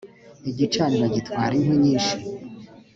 igicaniro gitwara inkwi nyishi.